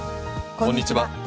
こんにちは。